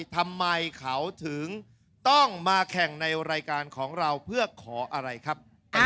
ทำไมเขาถึงต้องมาแข่งในรายการของเราเพื่อขออะไรครับ